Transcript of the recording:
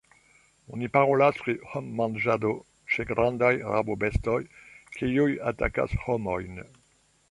Oni parolas pri hom-manĝado ĉe grandaj rabobestoj, kiuj atakas homojn.